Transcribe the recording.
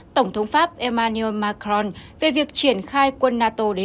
tổng thống pháp emmanuel macron về việc triển khai quân nato đến ukraine